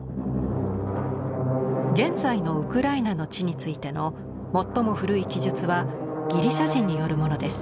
現在のウクライナの地についての最も古い記述はギリシャ人によるものです。